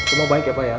semua baik ya pak ya